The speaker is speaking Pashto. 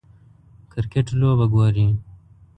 کریکټ لوبه ګورئ